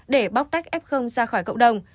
để bóc tách f ra khỏi cộng đồng